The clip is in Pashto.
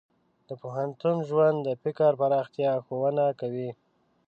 د پوهنتون ژوند د فکر پراختیا ښوونه کوي.